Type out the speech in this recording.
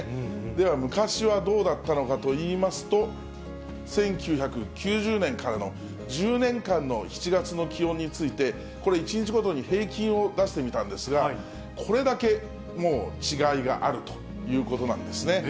では、昔はどうだったのかといいますと、１９９０年からの１０年間の７月の気温について、これ、１日ごとに平均を出してみたんですが、これだけ、もう違いがあるということなんですね。